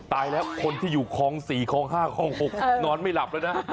ตายแล้วคนที่อยู่คลอง๔คลอง๕คลอง๖นอนไม่หลับแล้วนะ